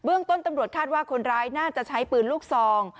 ต้นตำรวจคาดว่าคนร้ายน่าจะใช้ปืนลูกซอง